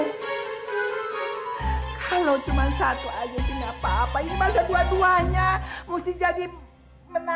kalau cuma satu aja sih nggak apa apa ini masa dua duanya mesti jadi menarik